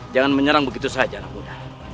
jangan menyerang begitu saja anak muda